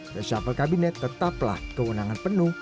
reshuffle kabinet tetaplah kewenangan penuh